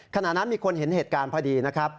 ขณะนั้นมีคนเห็นเหตุการณ์พอดีนะครับ